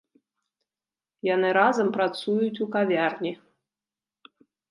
Яны разам працуюць у кавярні.